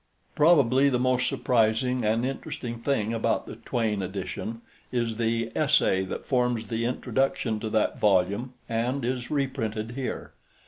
Probably the most surprising and interesting thing about the Twayne edition is the essay that forms the introduction to that volume, and is reprinted here.